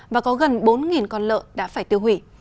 và có gần bốn con lợn đã phải tiêu hủy